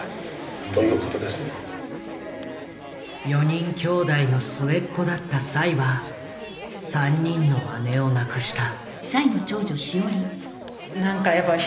４人きょうだいの末っ子だった栽は３人の姉を亡くした。